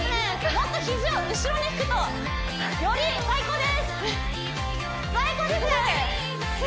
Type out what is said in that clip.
もっと肘を後ろに引くとより最高です最高です！